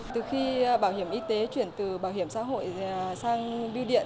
từ khi bảo hiểm y tế chuyển từ bảo hiểm xã hội sang biêu điện